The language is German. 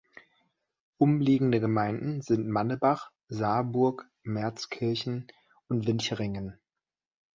Umliegende Gemeinden sind Mannebach, Saarburg, Merzkirchen und Wincheringen.